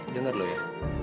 dengar lo ya